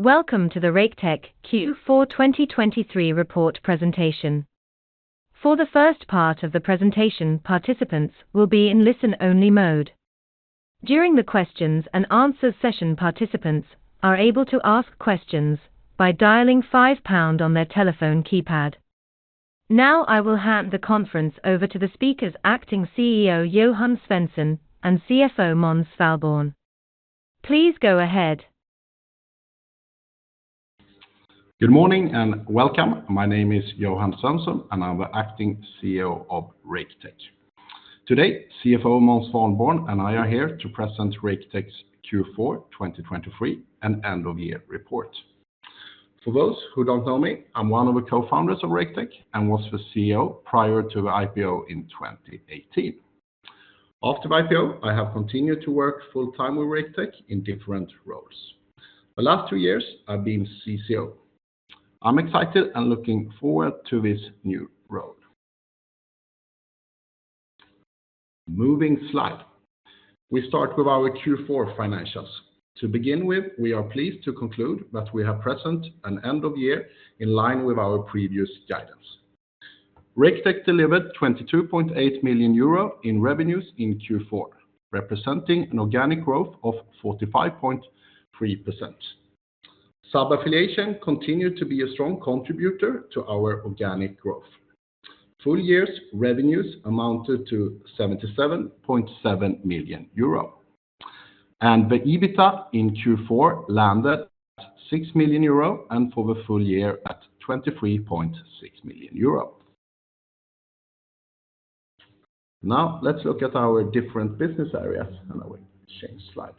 Welcome to the Raketech Q4 2023 report presentation. For the first part of the presentation, participants will be in listen-only mode. During the questions and answers session, participants are able to ask questions by dialing £5 on their telephone keypad. Now I will hand the conference over to the speakers Acting CEO Johan Svensson and CFO Måns Svalborn. Please go ahead. Good morning and welcome. My name is Johan Svensson, and I'm the Acting CEO of Raketech. Today, CFO Måns Svalborn and I are here to present Raketech's Q4 2023 and end-of-year report. For those who don't know me, I'm one of the co-founders of Raketech and was the CEO prior to the IPO in 2018. After the IPO, I have continued to work full-time with Raketech in different roles. The last two years, I've been CCO. I'm excited and looking forward to this new role. Moving slide. We start with our Q4 financials. To begin with, we are pleased to conclude that we have presented an end-of-year in line with our previous guidance. Raketech delivered 22.8 million euro in revenues in Q4, representing an organic growth of 45.3%. Subaffiliation continued to be a strong contributor to our organic growth. Full year's revenues amounted to 77.7 million euro. The EBITDA in Q4 landed at 6 million euro and for the full year at 23.6 million euro. Now let's look at our different business areas, and I will change slide.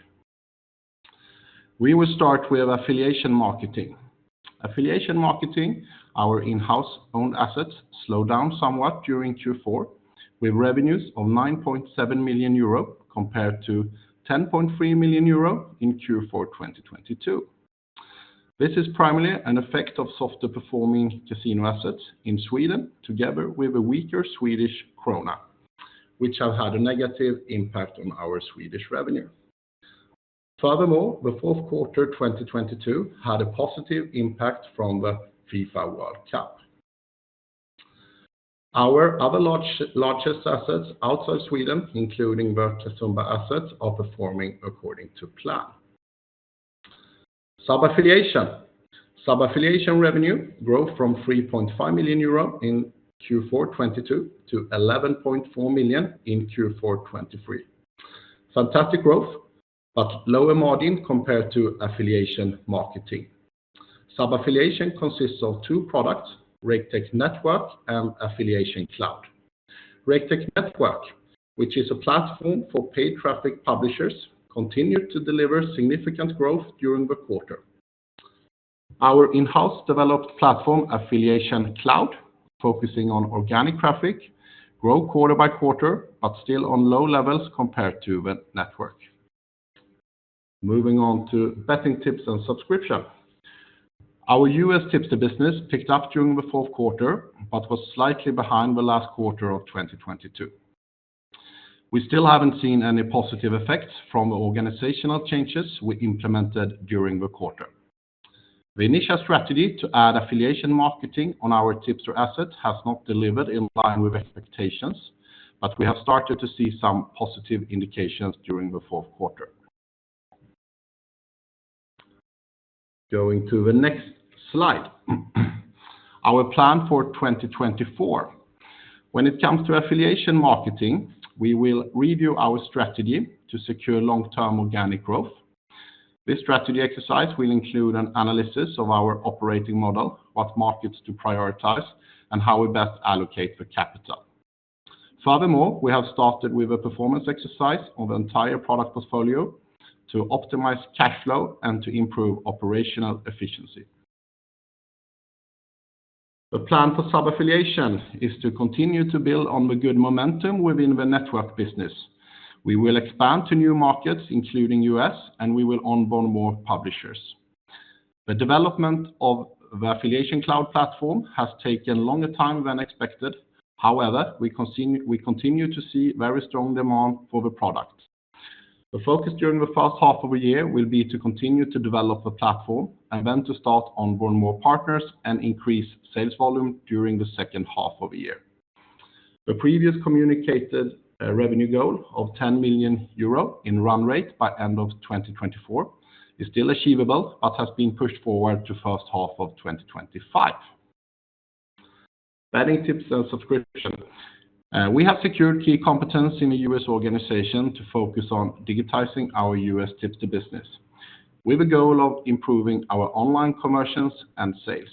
We will start with affiliation marketing. Affiliation marketing, our in-house owned assets, slowed down somewhat during Q4 with revenues of 9.7 million euro compared to 10.3 million euro in Q4 2022. This is primarily an effect of softer performing casino assets in Sweden together with a weaker Swedish krona, which have had a negative impact on our Swedish revenue. Furthermore, the fourth quarter 2022 had a positive impact from the FIFA World Cup. Our other largest assets outside Sweden, including Casumba assets, are performing according to plan. Subaffiliation. Subaffiliation revenue grew from 3.5 million euro in Q4 2022 to 11.4 million in Q4 2023. Fantastic growth, but lower margin compared to affiliation marketing. Subaffiliation consists of two products: Raketech Network and Affiliation Cloud. Raketech Network, which is a platform for paid traffic publishers, continued to deliver significant growth during the quarter. Our in-house developed platform, Affiliation Cloud, focusing on organic traffic, grew quarter by quarter but still on low levels compared to the network. Moving on to betting tips and subscription. Our U.S. tipster business picked up during the fourth quarter but was slightly behind the last quarter of 2022. We still haven't seen any positive effects from the organizational changes we implemented during the quarter. The initial strategy to add affiliation marketing on our tipster asset has not delivered in line with expectations, but we have started to see some positive indications during the fourth quarter. Going to the next slide. Our plan for 2024. When it comes to affiliation marketing, we will review our strategy to secure long-term organic growth. This strategy exercise will include an analysis of our operating model, what markets to prioritize, and how we best allocate the capital. Furthermore, we have started with a performance exercise on the entire product portfolio to optimize cash flow and to improve operational efficiency. The plan for subaffiliation is to continue to build on the good momentum within the network business. We will expand to new markets, including U.S., and we will onboard more publishers. The development of the Affiliation Cloud platform has taken longer time than expected. However, we continue to see very strong demand for the product. The focus during the first half of the year will be to continue to develop the platform and then to start onboarding more partners and increase sales volume during the second half of the year. The previous communicated revenue goal of 10 million euro in run rate by end of 2024 is still achievable but has been pushed forward to first half of 2025. Betting tips and subscription. We have secured key competence in the U.S. organization to focus on digitizing our U.S. tipster business with the goal of improving our online commercials and sales.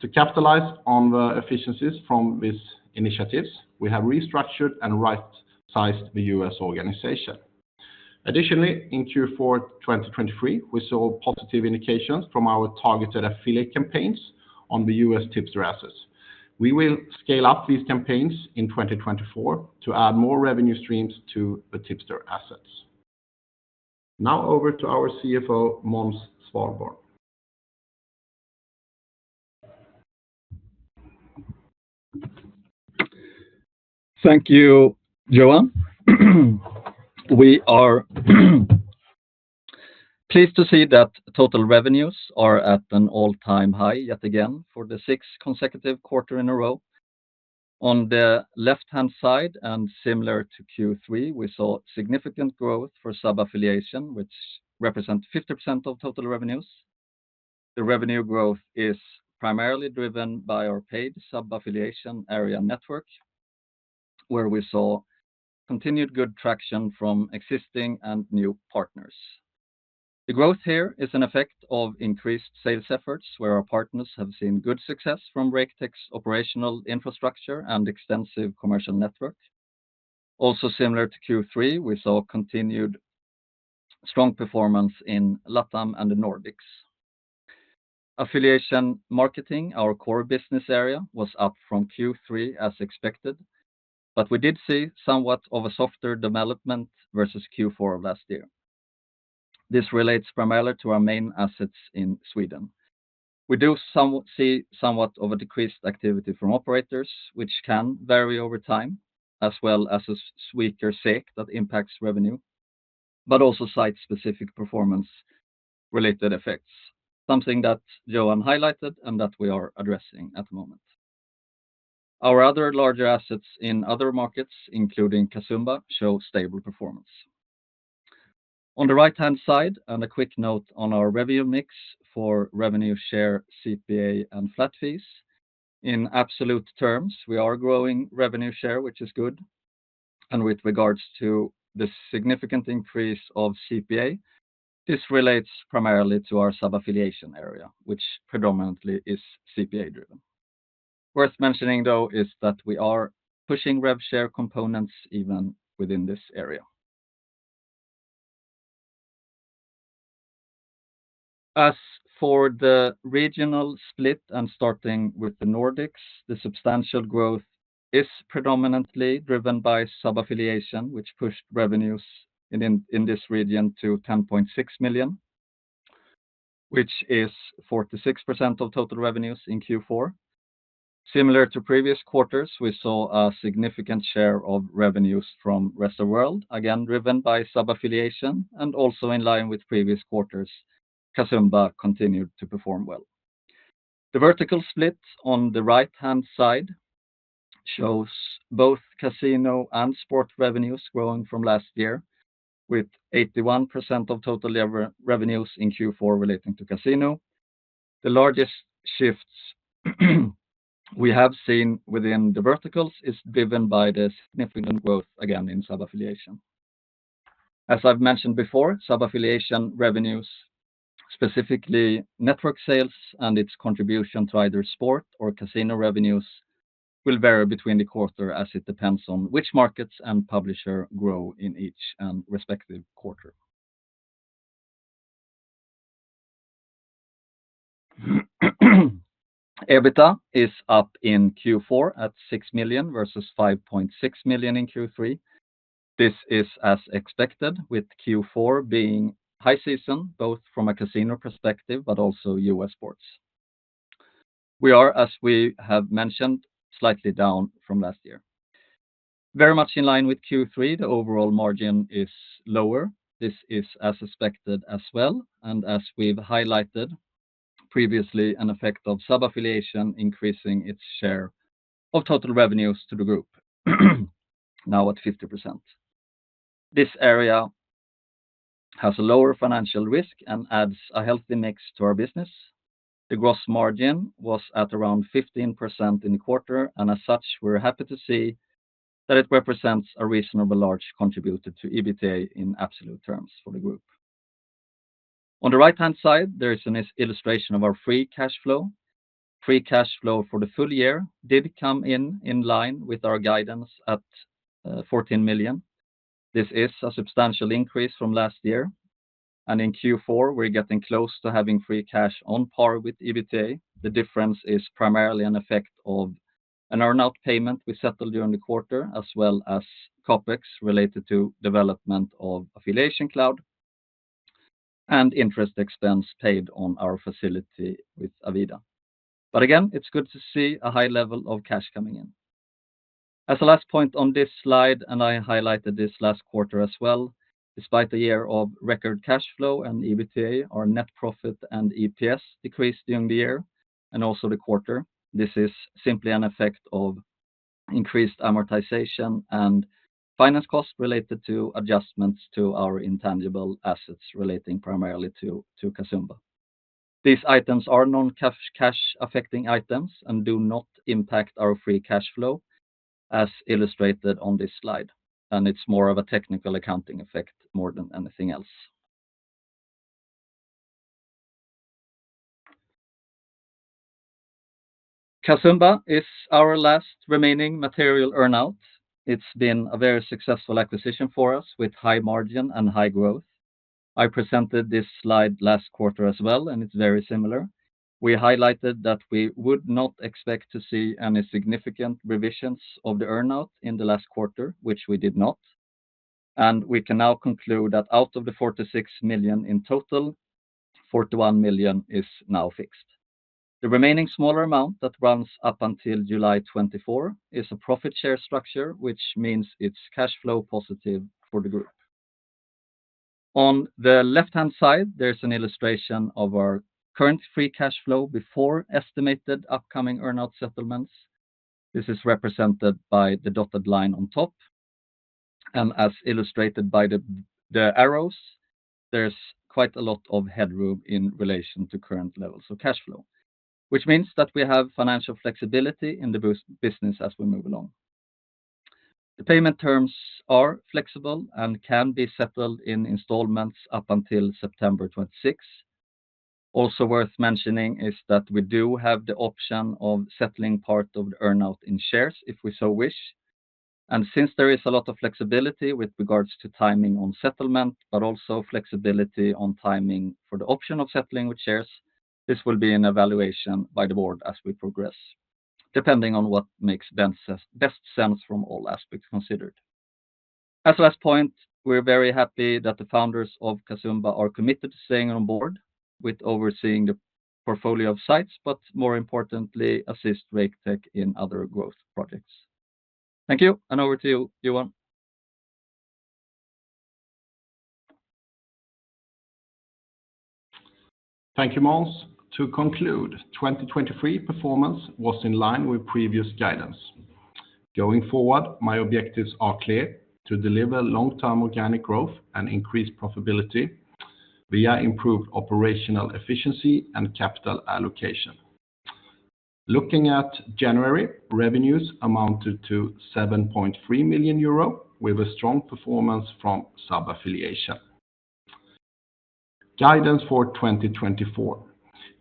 To capitalize on the efficiencies from these initiatives, we have restructured and right-sized the U.S. organization. Additionally, in Q4 2023, we saw positive indications from our targeted affiliate campaigns on the U.S. tipster assets. We will scale up these campaigns in 2024 to add more revenue streams to the tipster assets. Now over to our CFO, Måns Svalborn. Thank you, Johan. We are pleased to see that total revenues are at an all-time high yet again for the sixth consecutive quarter in a row. On the left-hand side, and similar to Q3, we saw significant growth for subaffiliation, which represents 50% of total revenues. The revenue growth is primarily driven by our paid subaffiliation, Raketech Network, where we saw continued good traction from existing and new partners. The growth here is an effect of increased sales efforts, where our partners have seen good success from Raketech's operational infrastructure and extensive commercial network. Also similar to Q3, we saw continued strong performance in LATAM and the Nordics. Affiliation marketing, our core business area, was up from Q3 as expected, but we did see somewhat of a softer development versus Q4 of last year. This relates primarily to our main assets in Sweden. We do see somewhat of a decreased activity from operators, which can vary over time, as well as a weaker SEK that impacts revenue, but also site-specific performance-related effects, something that Johan highlighted and that we are addressing at the moment. Our other larger assets in other markets, including Casumba, show stable performance. On the right-hand side, and a quick note on our revenue mix for revenue share, CPA, and flat fees. In absolute terms, we are growing revenue share, which is good. And with regards to the significant increase of CPA, this relates primarily to our subaffiliation area, which predominantly is CPA-driven. Worth mentioning, though, is that we are pushing rev share components even within this area. As for the regional split and starting with the Nordics, the substantial growth is predominantly driven by subaffiliation, which pushed revenues in this region to 10.6 million, which is 46% of total revenues in Q4. Similar to previous quarters, we saw a significant share of revenues from the rest of the world, again driven by subaffiliation, and also in line with previous quarters, Casumba continued to perform well. The vertical split on the right-hand side shows both casino and sport revenues growing from last year, with 81% of total revenues in Q4 relating to casino. The largest shifts we have seen within the verticals are driven by the significant growth, again, in subaffiliation. As I've mentioned before, subaffiliation revenues, specifically network sales and its contribution to either sport or casino revenues, will vary between the quarter as it depends on which markets and publisher grow in each and respective quarter. EBITDA is up in Q4 at 6 million versus 5.6 million in Q3. This is as expected, with Q4 being high season both from a casino perspective but also U.S. sports. We are, as we have mentioned, slightly down from last year. Very much in line with Q3, the overall margin is lower. This is as expected as well. And as we've highlighted previously, an effect of subaffiliation increasing its share of total revenues to the group, now at 50%. This area has a lower financial risk and adds a healthy mix to our business. The gross margin was at around 15% in the quarter, and as such, we're happy to see that it represents a reasonably large contributor to EBITDA in absolute terms for the group. On the right-hand side, there is an illustration of our free cash flow. Free cash flow for the full year did come in in line with our guidance at 14 million. This is a substantial increase from last year. In Q4, we're getting close to having free cash on par with EBITDA. The difference is primarily an effect of an earnout payment we settled during the quarter as well as CAPEX related to development of Affiliation Cloud and interest expense paid on our facility with Avida. Again, it's good to see a high level of cash coming in. As a last point on this slide, and I highlighted this last quarter as well, despite a year of record cash flow and EBITDA, our net profit and EPS decreased during the year and also the quarter. This is simply an effect of increased amortization and finance costs related to adjustments to our intangible assets relating primarily to Casumba. These items are non-cash affecting items and do not impact our free cash flow, as illustrated on this slide. It's more of a technical accounting effect more than anything else. Casumba is our last remaining material earnout. It's been a very successful acquisition for us with high margin and high growth. I presented this slide last quarter as well, and it's very similar. We highlighted that we would not expect to see any significant revisions of the earnout in the last quarter, which we did not. We can now conclude that out of the 46 million in total, 41 million is now fixed. The remaining smaller amount that runs up until July 2024 is a profit share structure, which means it's cash flow positive for the group. On the left-hand side, there's an illustration of our current free cash flow before estimated upcoming earnout settlements. This is represented by the dotted line on top. As illustrated by the arrows, there's quite a lot of headroom in relation to current levels of cash flow, which means that we have financial flexibility in the business as we move along. The payment terms are flexible and can be settled in installments up until September 26. Also worth mentioning is that we do have the option of settling part of the Earnout in shares if we so wish. Since there is a lot of flexibility with regards to timing on settlement but also flexibility on timing for the option of settling with shares, this will be an evaluation by the board as we progress, depending on what makes best sense from all aspects considered. As a last point, we're very happy that the founders of Casumba are committed to staying on board with overseeing the portfolio of sites but, more importantly, assist Raketech in other growth projects. Thank you, and over to you, Johan. Thank you, Måns. To conclude, 2023 performance was in line with previous guidance. Going forward, my objectives are clear: to deliver long-term organic growth and increased profitability via improved operational efficiency and capital allocation. Looking at January, revenues amounted to 7.3 million euro with a strong performance from subaffiliation. Guidance for 2024.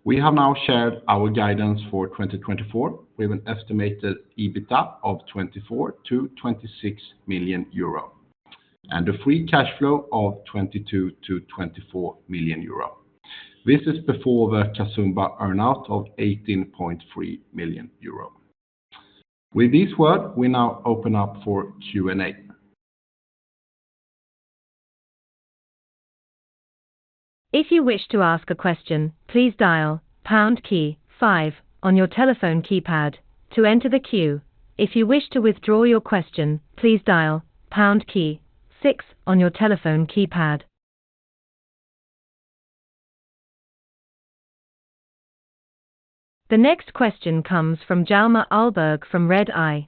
We have now shared our guidance for 2024 with an estimated EBITDA of 24 million-26 million euro and a free cash flow of 22 million-24 million euro. This is before the Casumba earnout of 18.3 million euro. With these words, we now open up for Q&A. If you wish to ask a question, please dial pound key 5 on your telephone keypad to enter the queue. If you wish to withdraw your question, please dial pound key 6 on your telephone keypad. The next question comes from Hjalmar Ahlberg from Redeye.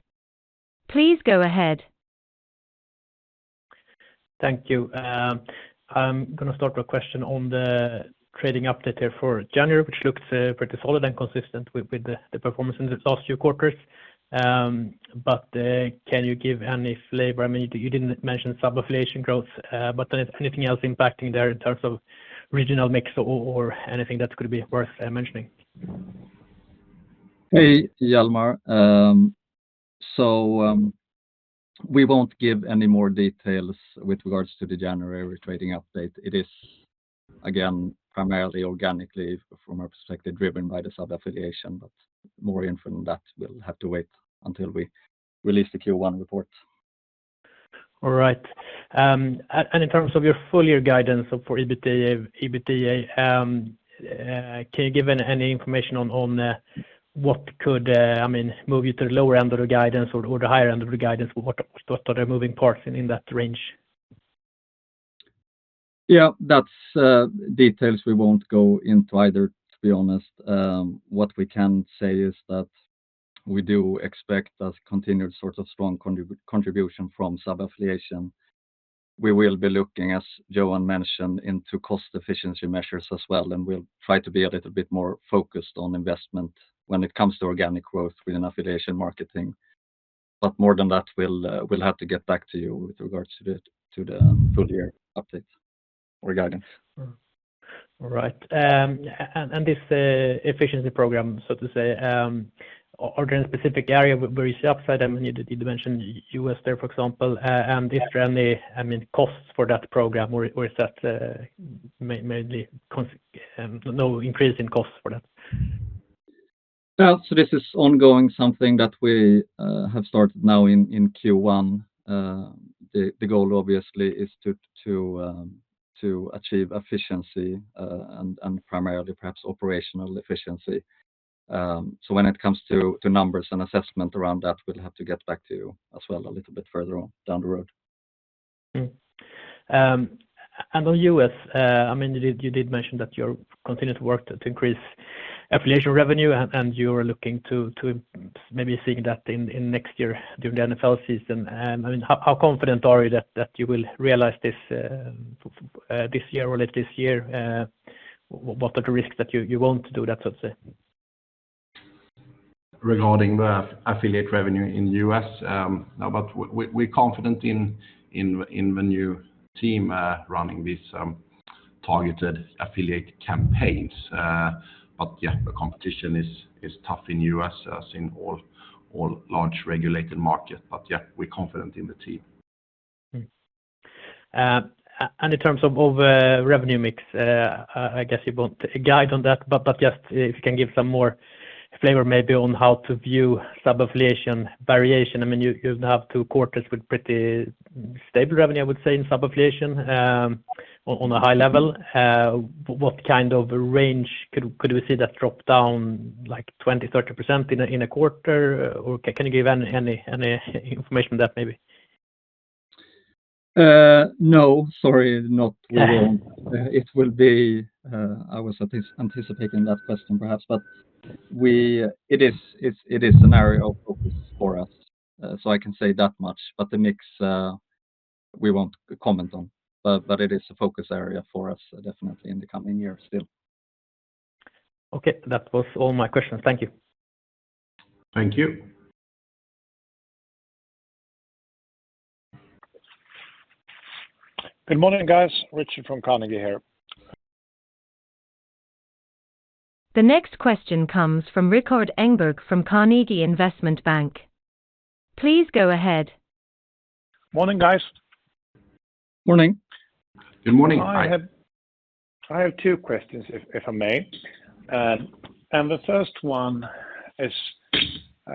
Please go ahead. Thank you. I'm going to start with a question on the trading update here for January, which looks pretty solid and consistent with the performance in the last few quarters. But can you give any flavor? I mean, you didn't mention subaffiliation growth, but anything else impacting there in terms of regional mix or anything that could be worth mentioning? Hey, Hjalmar. So we won't give any more details with regards to the January trading update. It is, again, primarily organically from our perspective driven by the subaffiliation, but more info than that we'll have to wait until we release the Q1 report. All right. In terms of your full year guidance for EBITDA, can you give any information on what could move you to the lower end of the guidance or the higher end of the guidance? What are the moving parts in that range? Yeah, that's details we won't go into either, to be honest. What we can say is that we do expect a continued sort of strong contribution from subaffiliation. We will be looking, as Johan mentioned, into cost efficiency measures as well, and we'll try to be a little bit more focused on investment when it comes to organic growth within affiliation marketing. But more than that, we'll have to get back to you with regards to the full year update or guidance. All right. This efficiency program, so to say, are there any specific areas where it's upside? I mean, you did mention U.S. there, for example. Is there any, I mean, costs for that program, or is that mainly no increase in costs for that? Well, so this is ongoing something that we have started now in Q1. The goal, obviously, is to achieve efficiency and primarily perhaps operational efficiency. So when it comes to numbers and assessment around that, we'll have to get back to you as well a little bit further down the road. And on U.S., I mean, you did mention that you're continuing to work to increase affiliation revenue, and you're looking to maybe seeing that in next year during the NFL season. I mean, how confident are you that you will realize this year or late this year? What are the risks that you won't do that, so to say? Regarding the affiliate revenue in U.S., we're confident in the new team running these targeted affiliate campaigns. But yeah, the competition is tough in U.S. as in all large regulated markets. But yeah, we're confident in the team. In terms of revenue mix, I guess you won't guide on that, but just if you can give some more flavor maybe on how to view Subaffiliation variation. I mean, you'd have two quarters with pretty stable revenue, I would say, in Subaffiliation on a high level. What kind of range could we see that drop down like 20%-30% in a quarter? Or can you give any information on that maybe? No, sorry, not we won't. It will be. I was anticipating that question perhaps, but it is an area of focus for us, so I can say that much. But the mix, we won't comment on. But it is a focus area for us definitely in the coming years still. Okay, that was all my questions. Thank you. Thank you. Good morning, guys. Rikard from Carnegie here. The next question comes from Rikard Engberg from Carnegie Investment Bank. Please go ahead. Morning, guys. Morning. Good morning. I have two questions, if I may. The first one is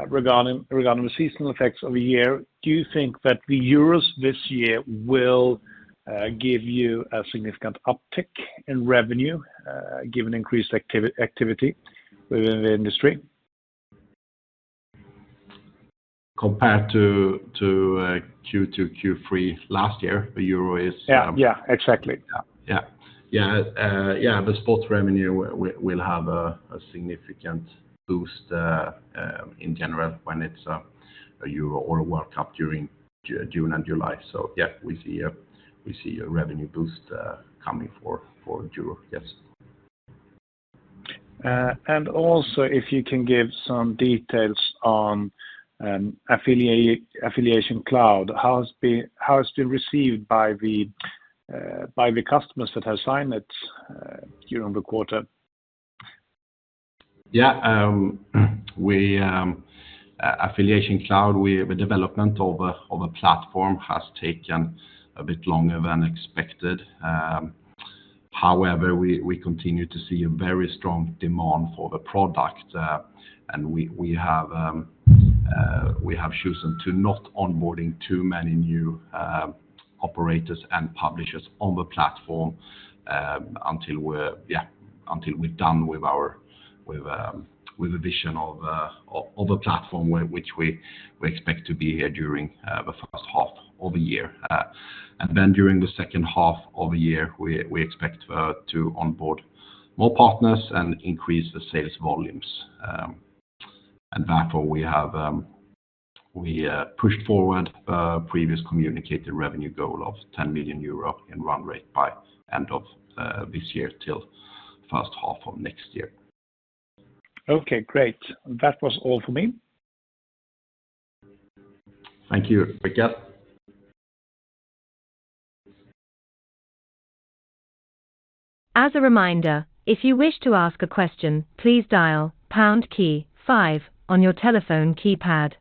regarding the seasonal effects of a year. Do you think that the Euros this year will give you a significant uptick in revenue given increased activity within the industry? Compared to Q2, Q3 last year, the Euro is. Yeah, yeah, exactly. Yeah, yeah, yeah, the sports revenue will have a significant boost in general when it's a Euro or a World Cup during June and July. So yeah, we see a revenue boost coming for the Euro, yes. Also, if you can give some details on Affiliation Cloud, how it's been received by the customers that have signed it during the quarter? Yeah, Affiliation Cloud, the development of a platform has taken a bit longer than expected. However, we continue to see a very strong demand for the product, and we have chosen to not onboard too many new operators and publishers on the platform until, yeah, we're done with our vision of a platform which we expect to be here during the first half of the year. And then during the second half of the year, we expect to onboard more partners and increase the sales volumes. And therefore, we pushed forward the previous communicated revenue goal of 10 million euro in run rate by end of this year till first half of next year. Okay, great. That was all for me. Thank you, Rikard. As a reminder, if you wish to ask a question, please dial pound key 5 on your telephone keypad.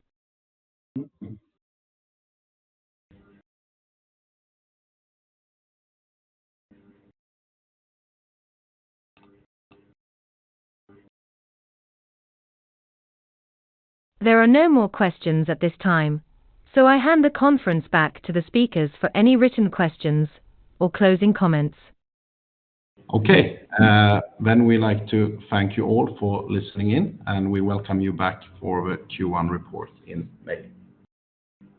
There are no more questions at this time, so I hand the conference back to the speakers for any written questions or closing comments. Okay. Then we'd like to thank you all for listening in, and we welcome you back for the Q1 report in May.